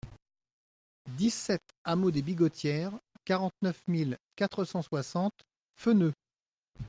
dix-sept hameau des Bigottières, quarante-neuf mille quatre cent soixante Feneu